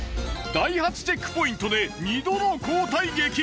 第８チェックポイントで２度の交代劇。